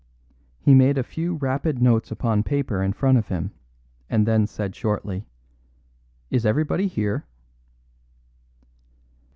He made a few rapid notes upon paper in front of him, and then said shortly: "Is everybody here?"